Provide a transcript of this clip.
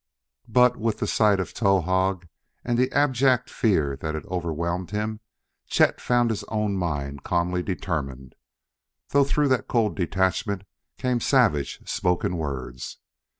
But, with the sight of Towahg and the abject fear that had overwhelmed him, Chet found his own mind calmly determined, though through that cool self detachment came savage spoken words.